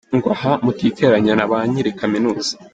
Ngo aha mutiteranya na ba nyiri Kaminuza!